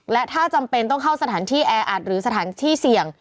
และถ้าจำเป็นต้องเข้าสถานที่แอร์อัดหรือพื้นศีล